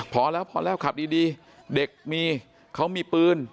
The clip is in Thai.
พอแล้วพอแล้วขับดีเด็กมีเขามีปืน